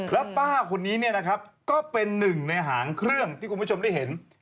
แล้วป้าคนนี้เนี่ยนะครับก็เป็นหนึ่งในหางเครื่องที่คุณผู้ชมได้เห็น